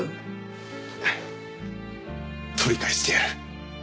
取り返してやる。